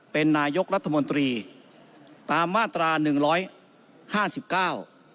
เป็นนายกรัฐมนตรีตามมาตราหนึ่งร้อยห้าสิบเก้า